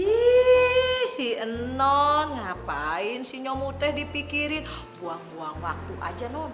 ihh si enon ngapain si nyomuteh dipikirin buang buang waktu aja non